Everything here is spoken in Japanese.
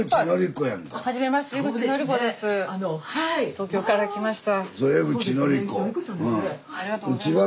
東京から来ました。